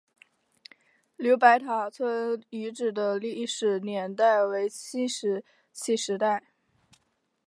刘白塔村遗址的历史年代为新石器时代。